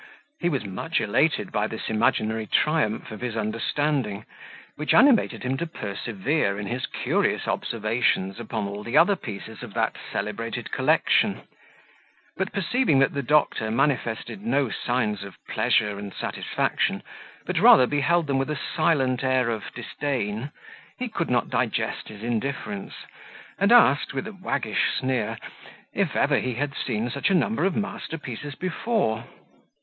He was much elated by this imaginary triumph of his understanding, which animated him to persevere in his curious observations upon all the other pieces of that celebrated collection; but perceiving that the doctor manifested no signs of pleasure and satisfaction, but rather beheld them with a silent air of disdain, he could not digest his indifference, and asked, with a waggish sneer, if ever he had seen such a number of masterpieces before?